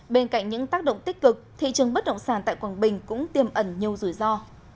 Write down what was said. bên cạnh những tác động tích cực thị trường bất động sản tại quảng bình cũng tiêm ẩn nhiều rủi ro